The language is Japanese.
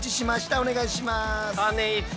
お願いします。